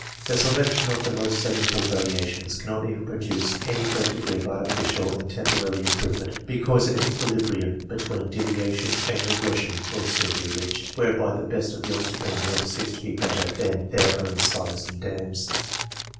The selection of the most serviceable variations cannot even produce any great degree of artificial and temporary im provement, because an equilibrium between deviation and regression will soon be reached, whereby the best of the offspring will cease to be better than their own sires and dams.